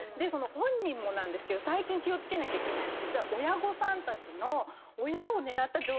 本人もなんですけど最近気を付けなきゃいけないのは実は親御さんたちの。